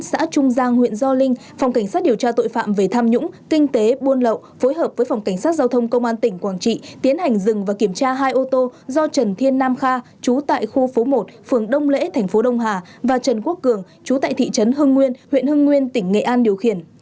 xã trung giang huyện gio linh phòng cảnh sát điều tra tội phạm về tham nhũng kinh tế buôn lậu phối hợp với phòng cảnh sát giao thông công an tỉnh quảng trị tiến hành dừng và kiểm tra hai ô tô do trần thiên nam kha trú tại khu phố một phường đông lễ thành phố đông hà và trần quốc cường chú tại thị trấn hưng nguyên huyện hưng nguyên tỉnh nghệ an điều khiển